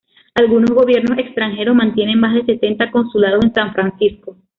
Algunos gobiernos extranjeros mantienen más de setenta consulados en San Francisco.